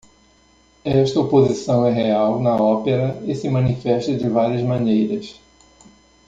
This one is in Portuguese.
Essa oposição é real na ópera e se manifesta de várias maneiras.